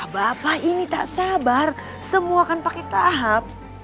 bapak ini tak sabar semua kan pake tahap